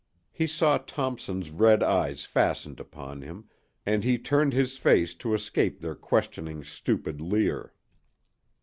He saw Thompson's red eyes fastened upon him, and he turned his face to escape their questioning, stupid leer.